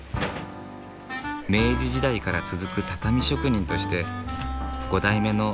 明治時代から続く畳職人として５代目の井ノ口毅さん。